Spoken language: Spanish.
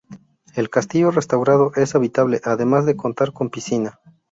El castillo, restaurado, es habitable, además de contar con piscina.